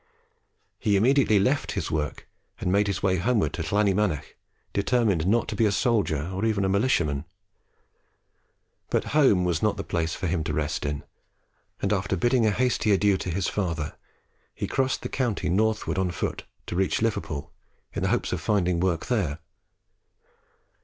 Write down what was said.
He immediately left his work and made his way homeward to Llanymynech, determined not to be a soldier or even a militiaman. But home was not the place for him to rest in, and after bidding a hasty adieu to his father, he crossed the country northward on foot and reached Liverpool, in the hope of finding work there.